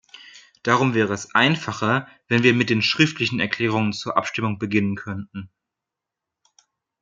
Darum wäre es einfacher, wenn wir mit den schriftlichen Erklärungen zur Abstimmung beginnen könnten.